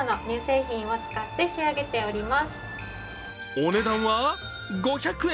お値段は５００円。